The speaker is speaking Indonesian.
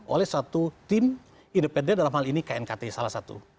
oleh satu tim independen dalam hal ini knkt salah satu